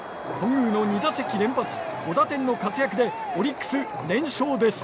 頓宮の２打席連発５打点の活躍でオリックス連勝です。